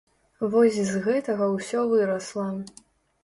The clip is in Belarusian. Вось з гэтага ўсё вырасла.